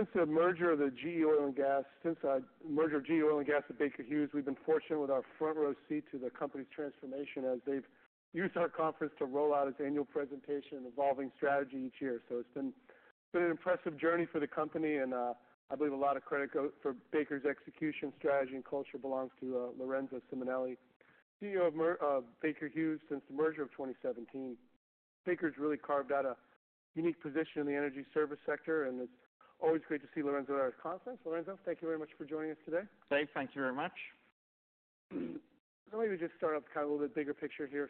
Since the merger of GE Oil and Gas and Baker Hughes, we've been fortunate with our front-row seat to the company's transformation as they've used our conference to roll out its annual presentation and evolving strategy each year. So it's been an impressive journey for the company, and I believe a lot of credit go for Baker's execution strategy and culture belongs to Lorenzo Simonelli, CEO of Baker Hughes since the merger of 2017. Baker's really carved out a unique position in the energy service sector, and it's always great to see Lorenzo at our conference. Lorenzo, thank you very much for joining us today. Dave, thank you very much. Let me just start off with kind of a little bit bigger picture here.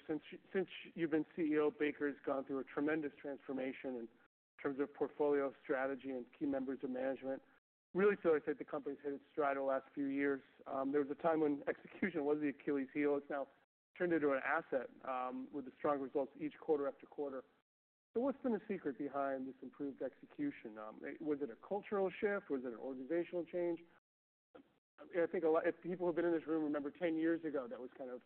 Since you've been CEO, Baker has gone through a tremendous transformation in terms of portfolio, strategy and key members of management. Really feel like that the company's hit its stride the last few years. There was a time when execution was the Achilles heel. It's now turned into an asset, with the strong results each quarter after quarter. So what's been the secret behind this improved execution? Was it a cultural shift? Was it an organizational change? If people who have been in this room remember 10 years ago, that was kind of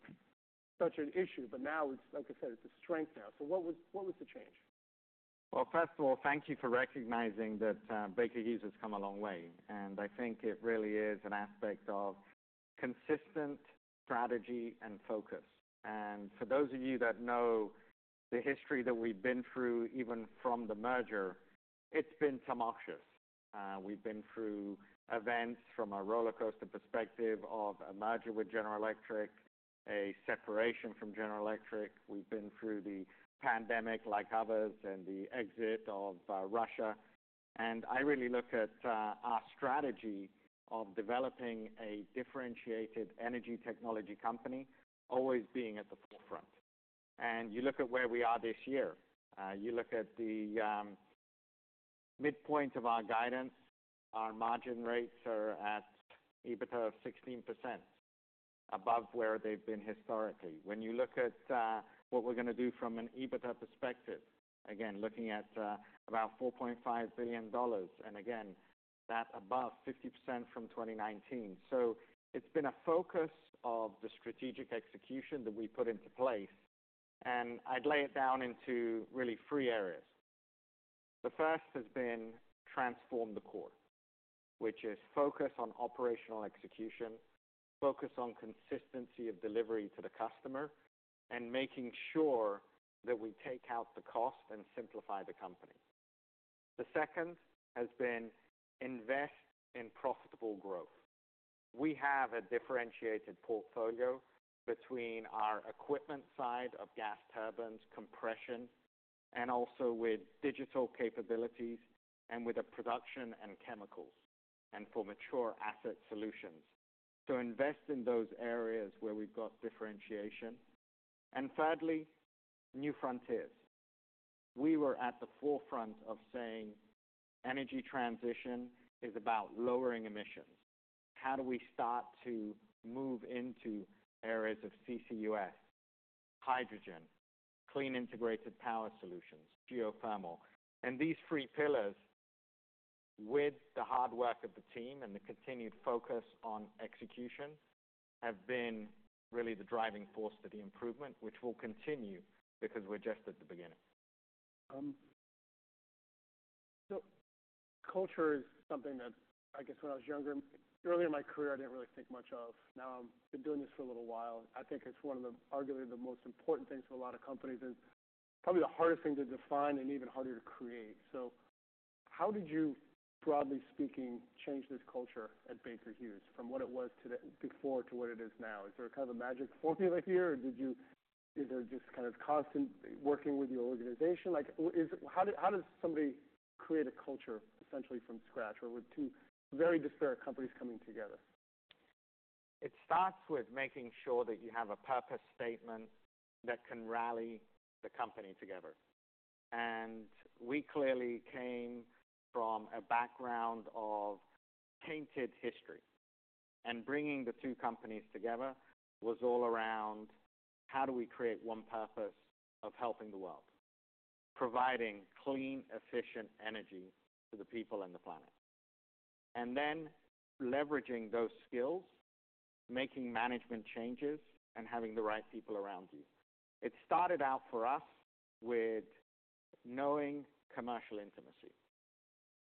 such an issue, but now it's like I said, it's a strength now. So what was the change? First of all, thank you for recognizing that, Baker Hughes has come a long way, and I think it really is an aspect of consistent strategy and focus. For those of you that know the history that we've been through, even from the merger, it has been tumultuous. We have been through events from a rollercoaster perspective of a merger with General Electric, a separation from General Electric. We have been through the pandemic like others, and the exit of Russia, and I really look at our strategy of developing a differentiated energy technology company, always being at the forefront. You look at where we are this year, you look at the midpoint of our guidance, our margin rates are at EBITDA of 16%, above where they have been historically. When you look at what we're gonna do from an EBITDA perspective, again, looking at about $4.5 billion, and again, that's above 50% from 2019. So it's been a focus of the strategic execution that we put into place, and I'd lay it down into really three areas. The first has been transform the core, which is focus on operational execution, focus on consistency of delivery to the customer, and making sure that we take out the cost and simplify the company. The second has been invest in profitable growth. We have a differentiated portfolio between our equipment side of gas turbines, compression, and also with digital capabilities and with the production and chemicals, and for mature asset solutions. So invest in those areas where we've got differentiation. And thirdly, new frontiers. We were at the forefront of saying energy transition is about lowering emissions. How do we start to move into areas of CCUS, hydrogen, clean integrated power solutions, geothermal? And these three pillars, with the hard work of the team and the continued focus on execution, have been really the driving force to the improvement, which will continue because we're just at the beginning. So culture is something that, I guess when I was younger, earlier in my career, I didn't really think much of. Now, I've been doing this for a little while. I think it's one of, arguably, the most important things for a lot of companies, and probably the hardest thing to define and even harder to create. So how did you, broadly speaking, change this culture at Baker Hughes from what it was before to what it is now? Is there a kind of a magic formula here, or is there just kind of constant working with your organization? Like, how does somebody create a culture essentially from scratch or with two very disparate companies coming together? It starts with making sure that you have a purpose statement that can rally the company together. And we clearly came from a background of tainted history, and bringing the two companies together was all around how do we create one purpose of helping the world? Providing clean, efficient energy to the people and the planet, and then leveraging those skills, making management changes, and having the right people around you. It started out for us with knowing commercial intimacy,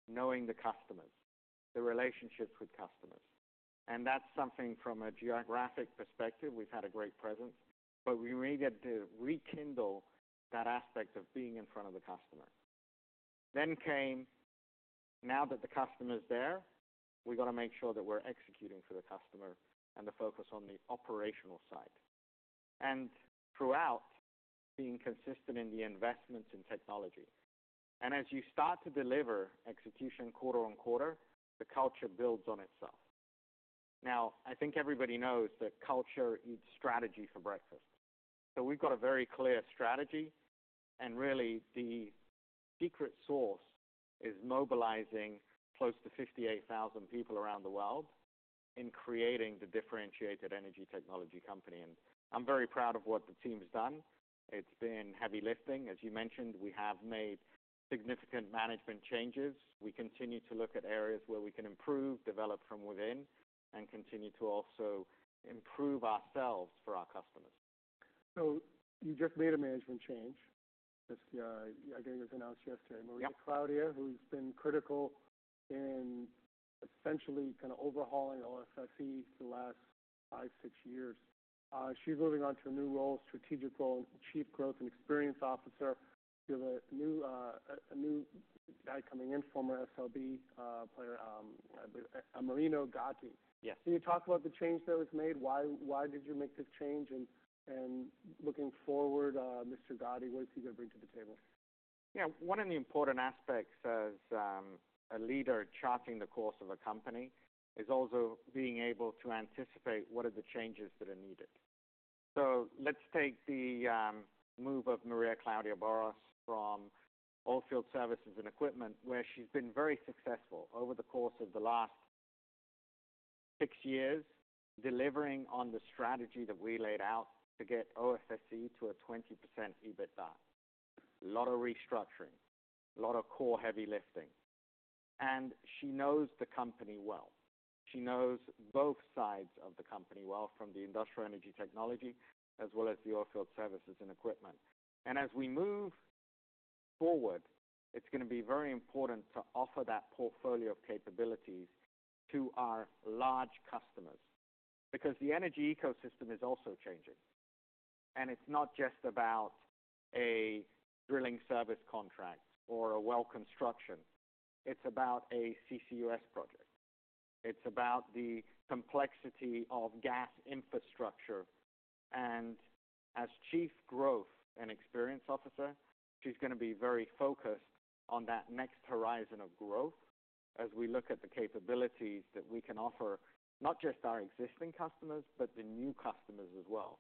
knowing the customers, the relationships with customers, and that's something from a geographic perspective, we've had a great presence, but we really had to rekindle that aspect of being in front of the customer. Then came, now that the customer is there, we've got to make sure that we're executing for the customer and the focus on the operational side. And throughout, being consistent in the investments in technology. And as you start to deliver execution quarter on quarter, the culture builds on itself. Now, I think everybody knows that culture eats strategy for breakfast. So we've got a very clear strategy, and really, the secret sauce is mobilizing close to 58,000 people around the world in creating the differentiated energy technology company. and I'm very proud of what the team's done. It's been heavy lifting. As you mentioned, we have made significant management changes. We continue to look at areas where we can improve, develop from within, and continue to also improve ourselves for our customers. So you just made a management change. This, I think it was announced yesterday. Yep. Maria Claudia, who's been critical in essentially kind of overhauling OFSE the last five, six years, she's moving on to a new role, strategic role, Chief Growth and Experience Officer. You have a new guy coming in, former SLB player, I believe, Amerino Gatti. Yes. Can you talk about the change that was made? Why, why did you make this change? And looking forward, Mr. Gatti, what is he gonna bring to the table? Yeah. One of the important aspects as a leader charting the course of a company is also being able to anticipate what are the changes that are needed. So let's take the move of Maria Claudia Borras from Oilfield Services and Equipment, where she's been very successful over the course of the last six years, delivering on the strategy that we laid out to get OFSE to a 20% EBITDA. A lot of restructuring, a lot of core heavy lifting, and she knows the company well. She knows both sides of the company well, from the Industrial Energy Technology as well as the Oilfield Services and Equipment. And as we move forward, it's gonna be very important to offer that portfolio of capabilities to our large customers, because the energy ecosystem is also changing. It's not just about a drilling service contract or a well construction. It's about a CCUS project. It's about the complexity of gas infrastructure. As Chief Growth and Experience Officer, she's gonna be very focused on that next horizon of growth as we look at the capabilities that we can offer, not just our existing customers, but the new customers as well,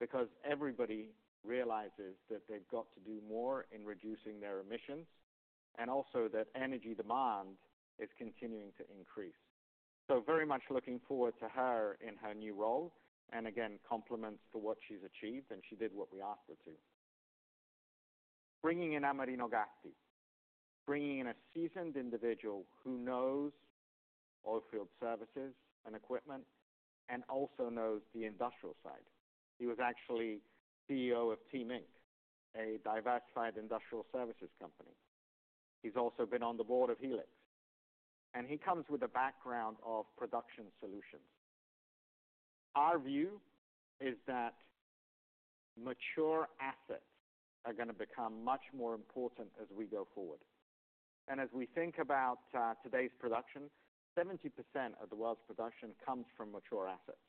because everybody realizes that they've got to do more in reducing their emissions, and also that energy demand is continuing to increase. Very much looking forward to her in her new role, and again, compliments for what she's achieved, and she did what we asked her to. Bringing in Amerino Gatti, bringing in a seasoned individual who knows Oilfield Services and Equipment and also knows the industrial side. He was actually CEO of TEAM Inc, a diversified industrial services company. He's also been on the board of Helix, and he comes with a background of production solutions. Our view is that mature assets are gonna become much more important as we go forward, and as we think about today's production, 70% of the world's production comes from mature assets,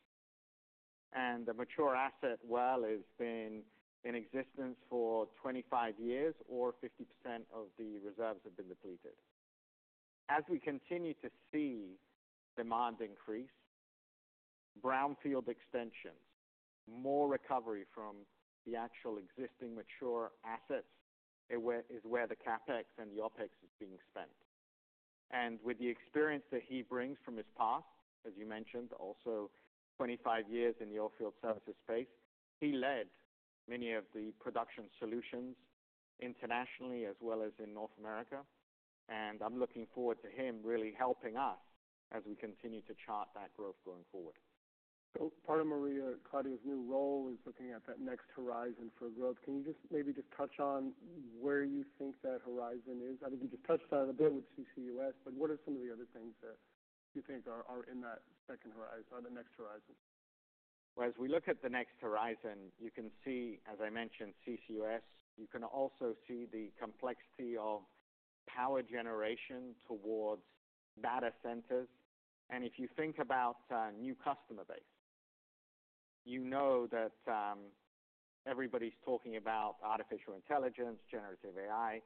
and a mature asset well has been in existence for 25 years, or 50% of the reserves have been depleted. As we continue to see demand increase, brownfield extensions, more recovery from the actual existing mature assets, is where the CapEx and the OpEx is being spent. With the experience that he brings from his past, as you mentioned, also 25 years in the oilfield services space, he led many of the production solutions internationally as well as in North America, and I'm looking forward to him really helping us as we continue to chart that growth going forward. So part of Maria Claudia's new role is looking at that next horizon for growth. Can you just maybe touch on where you think that horizon is? I think you just touched on it a bit with CCUS, but what are some of the other things that you think are in that second horizon or the next horizon? As we look at the next horizon, you can see, as I mentioned, CCUS. You can also see the complexity of power generation towards data centers, and if you think about new customer base, you know that everybody's talking about artificial intelligence, Generative AI.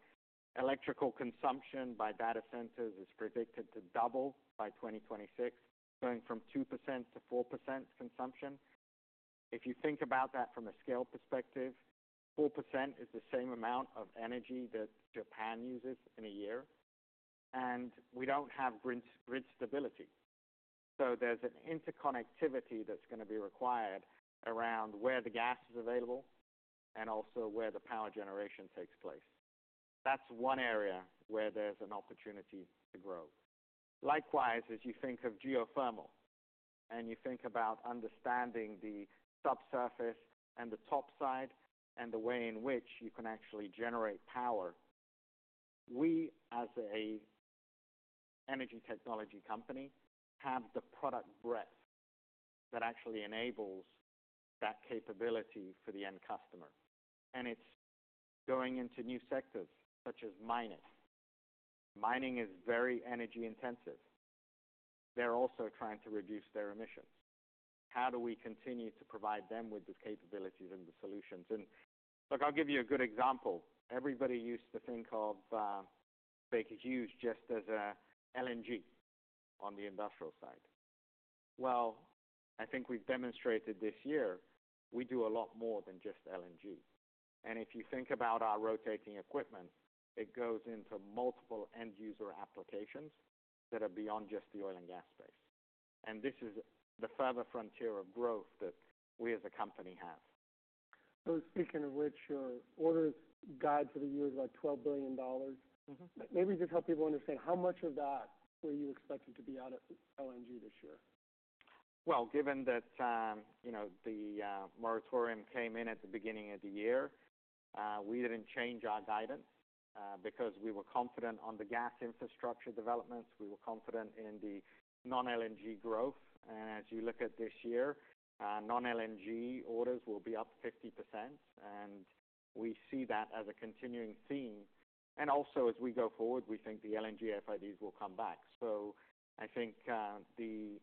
Electrical consumption by data centers is predicted to double by 2026, going from 2% to 4% consumption. If you think about that from a scale perspective, 4% is the same amount of energy that Japan uses in a year, and we don't have grid stability. So there's an interconnectivity that's gonna be required around where the gas is available and also where the power generation takes place. That's one area where there's an opportunity to grow. Likewise, as you think of geothermal, and you think about understanding the subsurface and the top side and the way in which you can actually generate power, we, as an energy technology company, have the product breadth that actually enables that capability for the end customer, and it's going into new sectors such as mining. Mining is very energy intensive. They're also trying to reduce their emissions. How do we continue to provide them with the capabilities and the solutions? Look, I'll give you a good example. Everybody used to think of Baker Hughes just as a LNG on the industrial side. I think we've demonstrated this year we do a lot more than just LNG. If you think about our rotating equipment, it goes into multiple end user applications that are beyond just the oil and gas space. This is the further frontier of growth that we as a company have. So speaking of which, your orders guide for the year is, like, $12 billion. Mm-hmm. Maybe just help people understand, how much of that were you expecting to be out of LNG this year? Well, given that, you know, the moratorium came in at the beginning of the year, we didn't change our guidance, because we were confident on the gas infrastructure developments. We were confident in the non-LNG growth. And as you look at this year, non-LNG orders will be up 50%, and we see that as a continuing theme. And also, as we go forward, we think the LNG FIDs will come back. So I think, the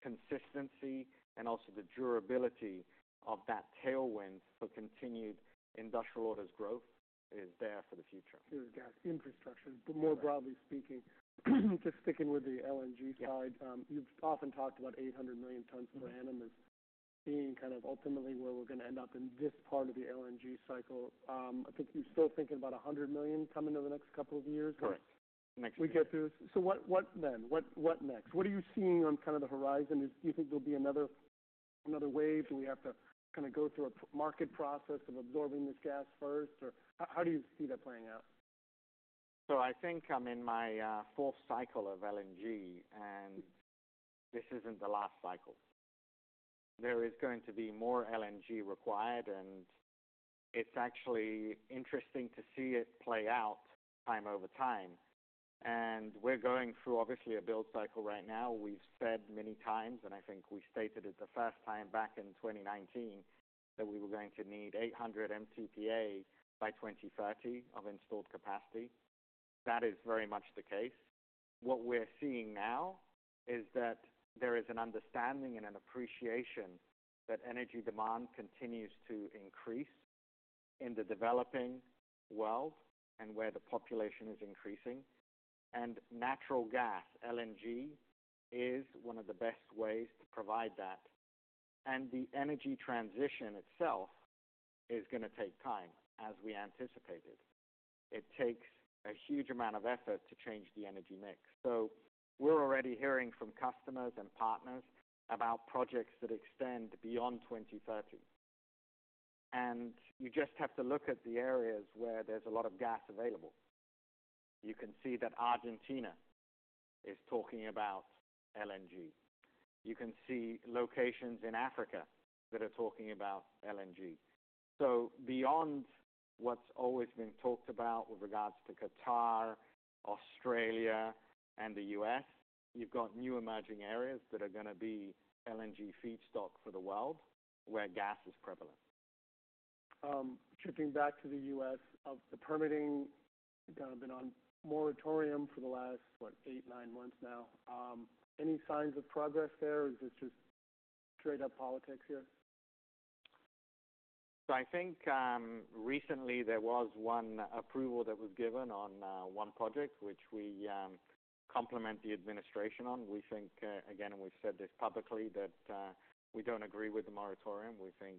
consistency and also the durability of that tailwind for continued industrial orders growth is there for the future. There's gas infrastructure. But more broadly speaking, just sticking with the LNG side. Yeah. You've often talked about 800 million tons per annum as being kind of ultimately where we're gonna end up in this part of the LNG cycle. I think you're still thinking about a hundred million coming over the next couple of years? Correct. Next year. We get to. So what then? What next? What are you seeing on kind of the horizon? Do you think there'll be another wave, or do we have to kind of go through a market process of absorbing this gas first? Or how do you see that playing out? So I think I'm in my fourth cycle of LNG, and this isn't the last cycle. There is going to be more LNG required, and it's actually interesting to see it play out time over time. And we're going through, obviously, a build cycle right now. We've said many times, and I think we stated it the first time back in 2019, that we were going to need 800 MTPA by 2030 of installed capacity. That is very much the case. What we're seeing now is that there is an understanding and an appreciation that energy demand continues to increase in the developing world and where the population is increasing. And natural gas, LNG, is one of the best ways to provide that, and the energy transition itself is gonna take time, as we anticipated. It takes a huge amount of effort to change the energy mix. So we're already hearing from customers and partners about projects that extend beyond 2030. And you just have to look at the areas where there's a lot of gas available. You can see that Argentina is talking about LNG. You can see locations in Africa that are talking about LNG. So beyond what's always been talked about with regards to Qatar, Australia, and the U.S., you've got new emerging areas that are gonna be LNG feedstock for the world, where gas is prevalent. Shifting back to the U.S., of the permitting, kind of been on moratorium for the last, what? Eight, nine months now. Any signs of progress there, or is this just straight-up politics here? So I think, recently there was one approval that was given on, one project, which we, compliment the administration on. We think, again, and we've said this publicly, that, we don't agree with the moratorium. We think,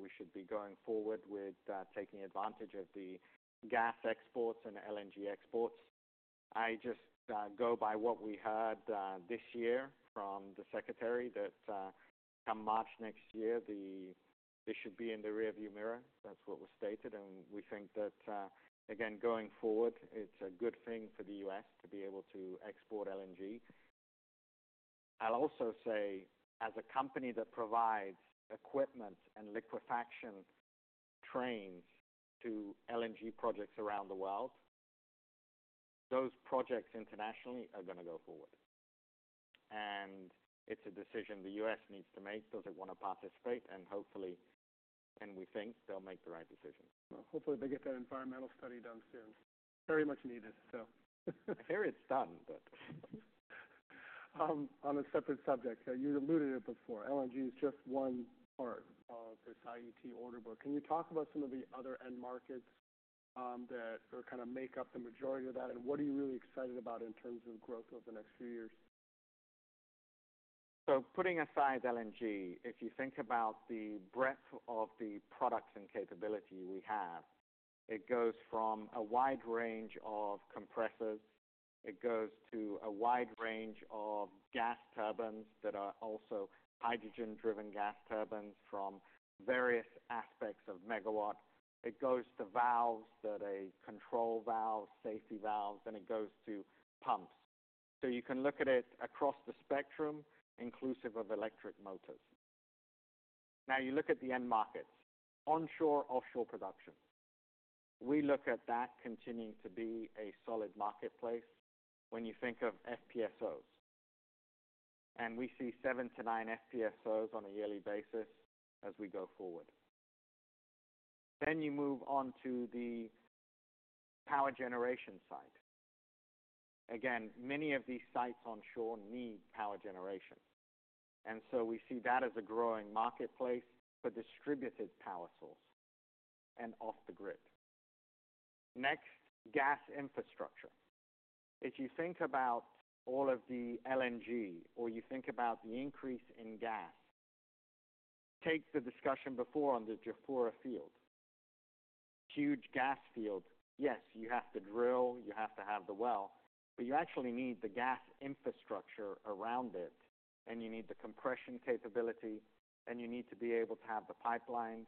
we should be going forward with, taking advantage of the gas exports and LNG exports. I just, go by what we heard, this year from the secretary, that, come March next year, this should be in the rearview mirror. That's what was stated, and we think that, again, going forward, it's a good thing for the U.S. to be able to export LNG. I'll also say, as a company that provides equipment and liquefaction trains to LNG projects around the world, those projects internationally are gonna go forward. And it's a decision the U.S. needs to make. Does it want to participate? And hopefully, and we think, they'll make the right decision. Hopefully, they get that environmental study done soon. Very much needed, so. Very stunning, but. On a separate subject, you alluded it before. LNG is just one part of this IET order book. Can you talk about some of the other end markets, that or kind of make up the majority of that, and what are you really excited about in terms of growth over the next few years? So putting aside LNG, if you think about the breadth of the products and capability we have, it goes from a wide range of compressors. It goes to a wide range of gas turbines that are also hydrogen-driven gas turbines from various aspects of megawatt. It goes to valves that are control valves, safety valves, and it goes to pumps. So you can look at it across the spectrum, inclusive of electric motors. Now, you look at the end markets, onshore, offshore production. We look at that continuing to be a solid marketplace when you think of FPSOs, and we see seven to nine FPSOs on a yearly basis as we go forward. Then you move on to the power generation site. Again, many of these sites onshore need power generation, and so we see that as a growing marketplace for distributed power source and off the grid. Next, gas infrastructure. If you think about all of the LNG or you think about the increase in gas, take the discussion before on the Jafurah Field. Huge gas field. Yes, you have to drill, you have to have the well, but you actually need the gas infrastructure around it, and you need the compression capability, and you need to be able to have the pipelines.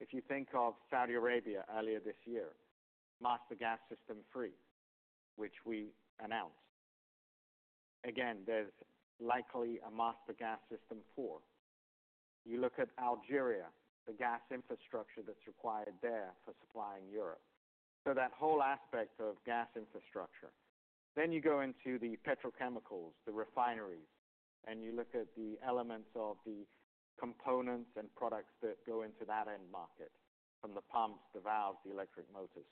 If you think of Saudi Arabia earlier this year, Master Gas System three, which we announced. Again, there's likely a Master Gas System four. You look at Algeria, the gas infrastructure that's required there for supplying Europe. So that whole aspect of gas infrastructure. Then you go into the petrochemicals, the refineries, and you look at the elements of the components and products that go into that end market, from the pumps, the valves, the electric motors.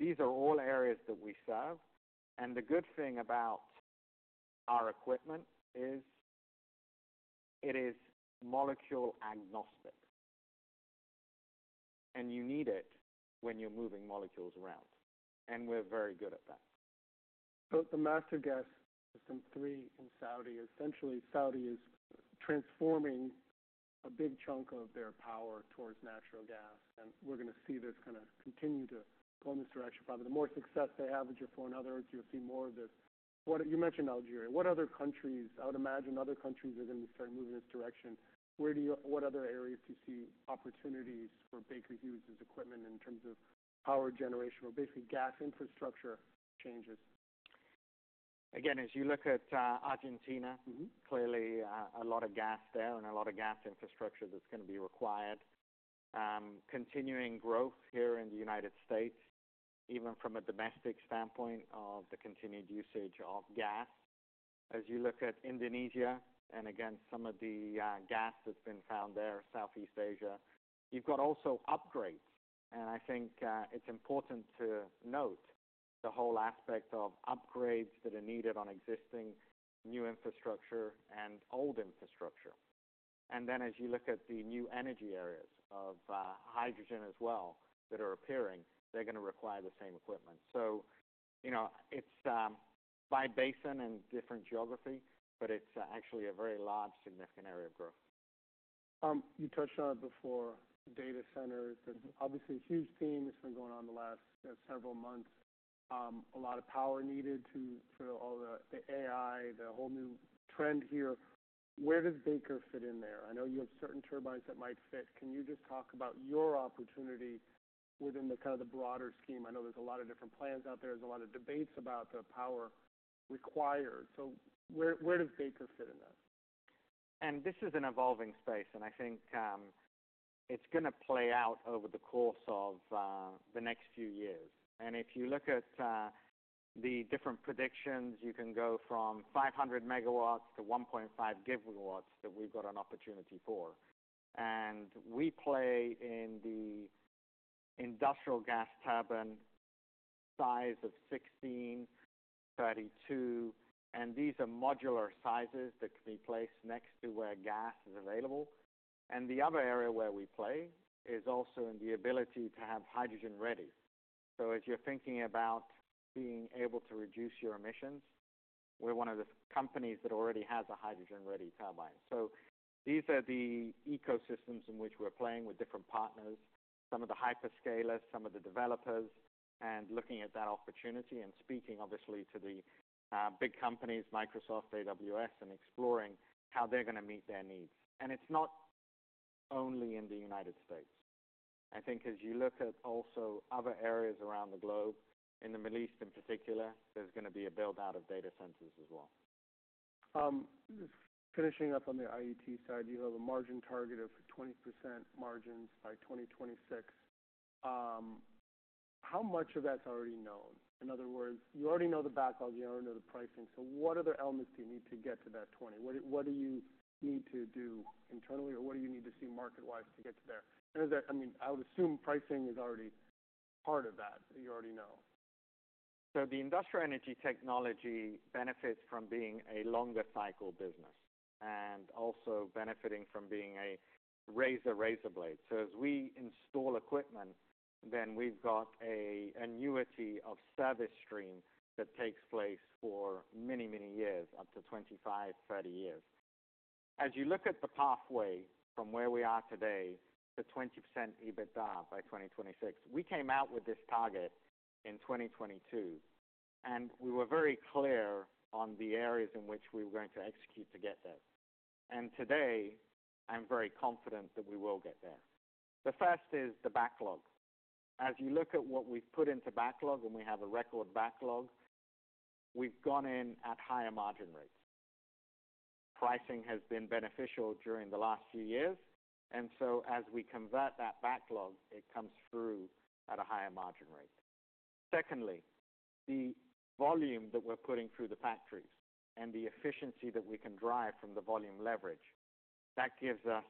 These are all areas that we serve, and the good thing about our equipment is, it is molecule agnostic, and you need it when you're moving molecules around, and we're very good at that. So the Master Gas System three in Saudi, essentially Saudi is transforming a big chunk of their power towards natural gas, and we're gonna see this kind of continue to go in this direction. Probably the more success they have in Jafurah, in other words, you'll see more of this. What? You mentioned Algeria. What other countries? I would imagine other countries are going to start moving this direction. What other areas do you see opportunities for Baker Hughes's equipment in terms of power generation or basically gas infrastructure changes? Again, as you look at, Argentina. Mm-hmm. Clearly, a lot of gas there and a lot of gas infrastructure that's going to be required. Continuing growth here in the United States, even from a domestic standpoint of the continued usage of gas. As you look at Indonesia and again, some of the gas that's been found there, Southeast Asia, you've got also upgrades. And I think it's important to note the whole aspect of upgrades that are needed on existing new infrastructure and old infrastructure. And then as you look at the new energy areas of hydrogen as well, that are appearing, they're gonna require the same equipment. So, you know, it's by basin and different geography, but it's actually a very large, significant area of growth. You touched on it before, data centers, and obviously, a huge theme that's been going on the last several months. A lot of power needed for all the AI, the whole new trend here. Where does Baker fit in there? I know you have certain turbines that might fit. Can you just talk about your opportunity within the kind of the broader scheme? I know there's a lot of different plans out there. There's a lot of debates about the power required. So where does Baker fit in that? And this is an evolving space, and I think, it's gonna play out over the course of, the next few years. And if you look at, the different predictions, you can go from 500 MW to 1.5 GW that we've got an opportunity for. And we play in the industrial gas turbine size of 16, 32, and these are modular sizes that can be placed next to where gas is available. And the other area where we play is also in the ability to have hydrogen-ready. So as you're thinking about being able to reduce your emissions, we're one of the companies that already has a hydrogen-ready turbine. These are the ecosystems in which we're playing with different partners, some of the hyperscalers, some of the developers, and looking at that opportunity and speaking obviously to the big companies, Microsoft, AWS, and exploring how they're gonna meet their needs. It's not only in the United States. I think as you look at also other areas around the globe, in the Middle East in particular, there's gonna be a build-out of data centers as well. Finishing up on the IET side, you have a margin target of 20% margins by 2026. How much of that's already known? In other words, you already know the backlog, you already know the pricing. So what other elements do you need to get to that 20%? What do you need to do internally, or what do you need to see market-wise to get to there? And is there... I mean, I would assume pricing is already part of that, you already know. The Industrial Energy Technology benefits from being a longer cycle business and also benefiting from being a razor, razor blade. So as we install equipment, then we've got an annuity of service stream that takes place for many, many years, up to 25, 30 years. As you look at the pathway from where we are today to 20% EBITDA by 2026, we came out with this target in 2022, and we were very clear on the areas in which we were going to execute to get there. And today, I'm very confident that we will get there. The first is the backlog. As you look at what we've put into backlog, and we have a record backlog, we've gone in at higher margin rates. Pricing has been beneficial during the last few years, and so as we convert that backlog, it comes through at a higher margin rate. Secondly, the volume that we're putting through the factories and the efficiency that we can drive from the volume leverage, that gives us,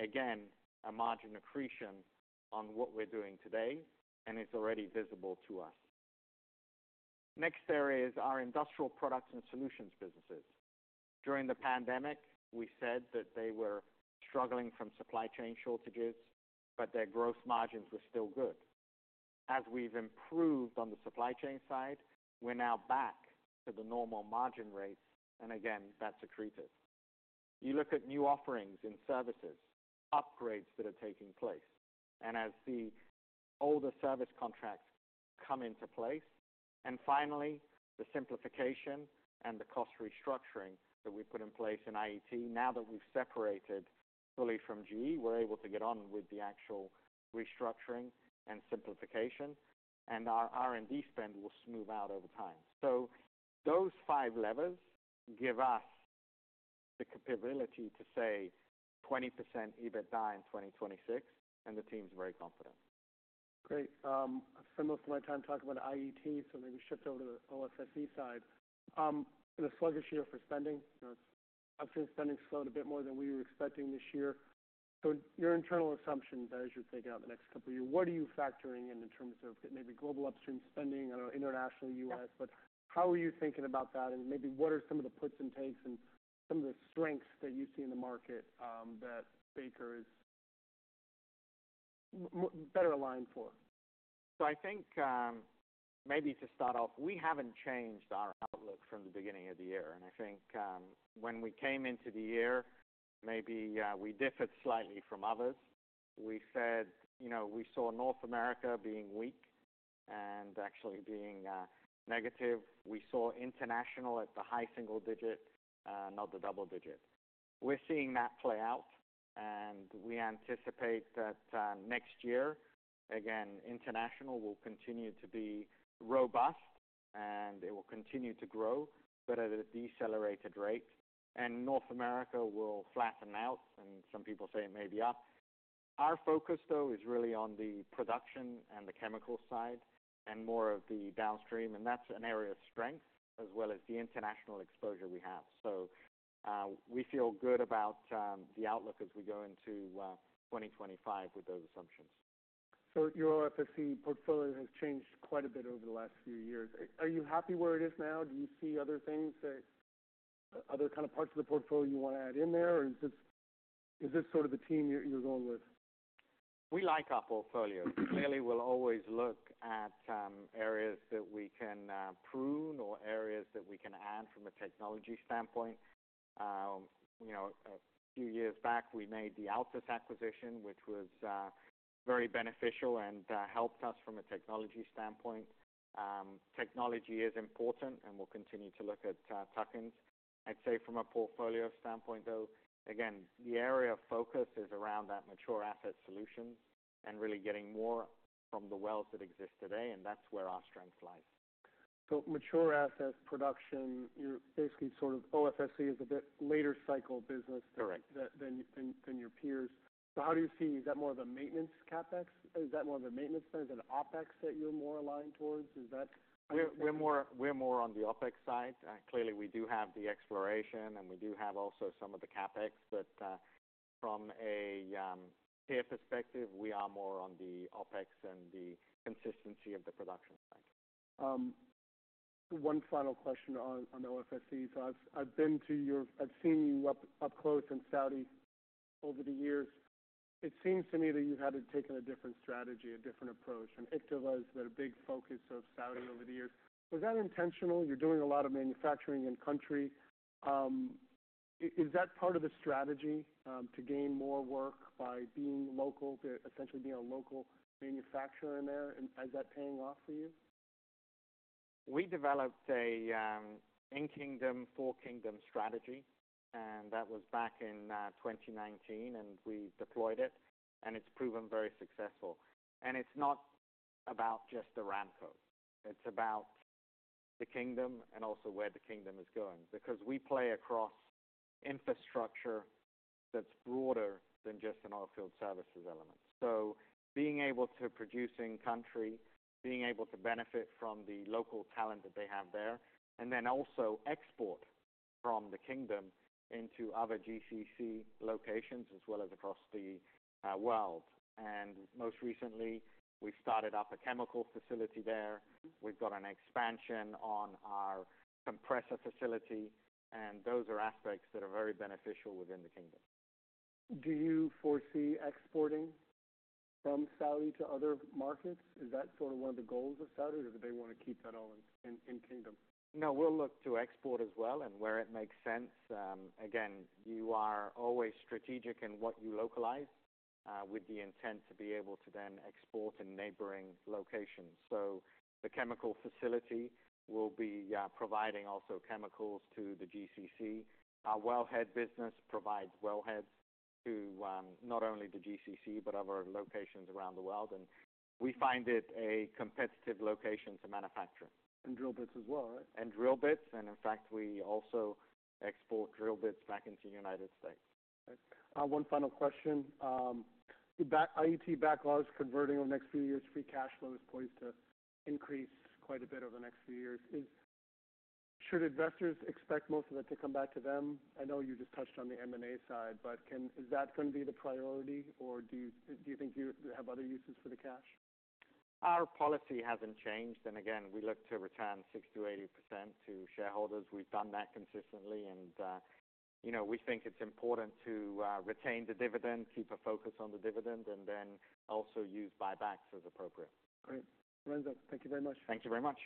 again, a margin accretion on what we're doing today, and it's already visible to us. Next area is our industrial products and solutions businesses. During the pandemic, we said that they were struggling from supply chain shortages, but their gross margins were still good. As we've improved on the supply chain side, we're now back to the normal margin rates, and again, that's accretive. You look at new offerings in services, upgrades that are taking place, and as the older service contracts come into place. Finally, the simplification and the cost restructuring that we put in place in IET, now that we've separated fully from GE, we're able to get on with the actual restructuring and simplification, and our R&D spend will smooth out over time. So those five levers give us the capability to say 20% EBITDA in 2026, and the team's very confident. Great, I spent most of my time talking about IET, so maybe shift over to the OFSE side. In a sluggish year for spending, you know, upstream spending slowed a bit more than we were expecting this year. So your internal assumptions, as you're thinking out the next couple of years, what are you factoring in in terms of maybe global upstream spending, I don't know, international, U.S., but how are you thinking about that? And maybe what are some of the puts and takes and some of the strengths that you see in the market, that Baker is better aligned for? So I think, maybe to start off, we haven't changed our outlook from the beginning of the year. And I think, when we came into the year, maybe, we differed slightly from others. We said, you know, we saw North America being weak and actually being negative. We saw international at the high single digit, not the double digit. We're seeing that play out, and we anticipate that next year, again, international will continue to be robust and it will continue to grow, but at a decelerated rate. And North America will flatten out, and some people say it may be up. Our focus, though, is really on the production and the chemical side and more of the downstream, and that's an area of strength, as well as the international exposure we have. We feel good about the outlook as we go into 2025 with those assumptions. So your OFSE portfolio has changed quite a bit over the last few years. Are you happy where it is now? Do you see other things that, other kind of parts of the portfolio you want to add in there? Or is this, is this sort of the team you're, you're going with? We like our portfolio. Clearly, we'll always look at areas that we can prune or areas that we can add from a technology standpoint. You know, a few years back, we made the Altus acquisition, which was very beneficial and helped us from a technology standpoint. Technology is important, and we'll continue to look at tuck-ins. I'd say from a portfolio standpoint, though, again, the area of focus is around that mature asset solutions and really getting more from the wells that exist today, and that's where our strength lies. So, mature asset production, you're basically sort of OFSE is a bit later cycle business. Correct. Than your peers. So how do you see... Is that more of a maintenance CapEx? Is that more of a maintenance spend, is it OpEx that you're more aligned towards? Is that. We're more on the OpEx side. Clearly, we do have the exploration, and we do have also some of the CapEx, but from a clear perspective, we are more on the OpEx and the consistency of the production side. One final question on OFSE. So I've been to your. I've seen you up close in Saudi over the years. It seems to me that you had taken a different strategy, a different approach, and IKTVA was a big focus of Saudi over the years. Was that intentional? You're doing a lot of manufacturing in country. Is that part of the strategy to gain more work by being local, to essentially being a local manufacturer in there? And is that paying off for you? We developed a In-Kingdom, For-Kingdom strategy, and that was back in 2019, and we deployed it, and it's proven very successful, and it's not about just Aramco. It's about the Kingdom and also where the Kingdom is going, because we play across infrastructure that's broader than just an oilfield services element, so being able to produce in country, being able to benefit from the local talent that they have there, and then also export from the Kingdom into other GCC locations as well as across the world, and most recently, we started up a chemical facility there. We've got an expansion on our compressor facility, and those are aspects that are very beneficial within the Kingdom. Do you foresee exporting from Saudi to other markets? Is that sort of one of the goals of Saudi, or do they want to keep that all in Kingdom? No, we'll look to export as well, and where it makes sense, again, you are always strategic in what you localize, with the intent to be able to then export in neighboring locations, so the chemical facility will be providing also chemicals to the GCC. Our wellhead business provides wellheads to, not only the GCC, but other locations around the world, and we find it a competitive location to manufacture. Drill bits as well, right? Drill bits, and in fact, we also export drill bits back into the United States. One final question. IET backlogs converting over the next few years, free cash flow is poised to increase quite a bit over the next few years. Should investors expect most of it to come back to them? I know you just touched on the M&A side, but is that going to be the priority, or do you think you have other uses for the cash? Our policy hasn't changed, and again, we look to return 60%-80% to shareholders. We've done that consistently and, you know, we think it's important to retain the dividend, keep a focus on the dividend, and then also use buybacks as appropriate. Great. Lorenzo, thank you very much. Thank you very much.